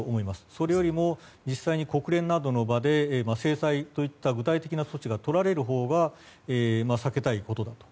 それよりも実際に国連などの場で制裁といった具体的な措置が取られるほうが避けたいことだと。